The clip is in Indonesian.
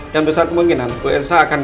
dan besar kemungkinan bu el salah akan